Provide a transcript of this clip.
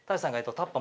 タッパー‼